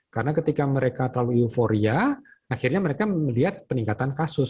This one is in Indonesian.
karena ketika mereka terlalu euforia akhirnya mereka melihat peningkatan kasus